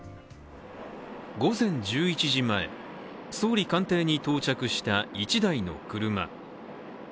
午前１１時前、総理官邸に到着した一台の車。